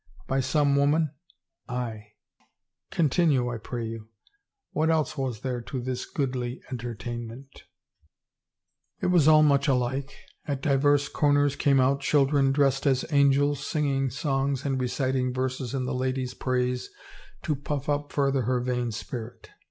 " By some woman ?"" Aye." " Continue, I pray you. What else was there to this goodly entertainment ?"" It was all much alike. At divers comers came out children dressed as angels, singing songs and reciting verses in the lady's praise to puff up further her vain spirit."